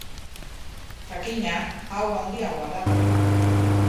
Jakina, hau handiagoa da.